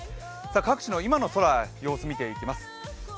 各地の今の空、様子を見ていきます